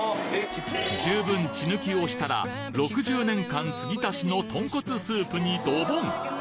十分血抜きをしたら６０年間継ぎ足しの豚骨スープにドボン！